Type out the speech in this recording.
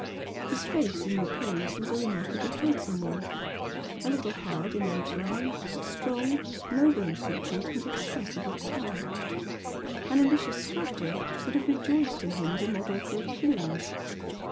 His face in repose was a remarkably handsome one, a little hard in outline, but strong, nobly featured and expressive of power, an ambitious sculptor would have rejoiced in him as a model for Achilles.